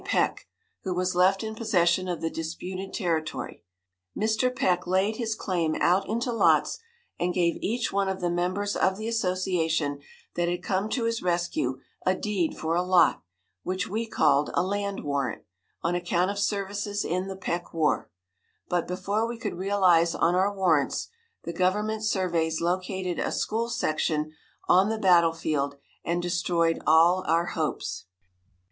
Peck, who was left in possession of the disputed territory. Mr. Peck laid his claim out into lots, and gave each one of the members of the association that had come to his rescue a deed for a lot, which we called a "land warrant," on account of services in the Peck war; but before we could realize on our warrants, the government surveys located a school section on the battle field, and destroyed all our hopes.